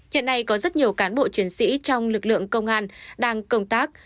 hiện nay có rất nhiều cán bộ chiến sĩ trong lực lượng công an đang công tác